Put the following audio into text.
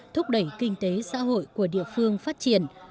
thúc đẩy kinh tế xã hội của địa phương phát triển